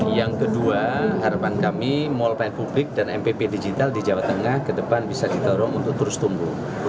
yang kedua harapan kami mall pelayanan publik dan mpp digital di jawa tengah ke depan bisa didorong untuk terus tumbuh